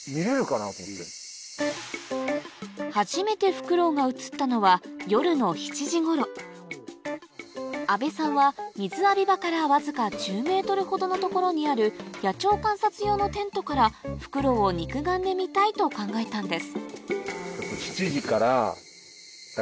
初めて阿部さんは水浴び場からわずか１０ｍほどの所にある野鳥観察用のテントからフクロウを肉眼で見たいと考えたんです